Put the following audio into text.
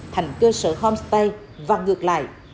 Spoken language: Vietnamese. thành cơ sở homestay và ngược lại